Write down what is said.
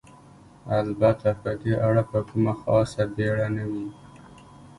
البته په دې اړه به کومه خاصه بېړه نه وي.